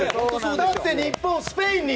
だって日本、スペインに。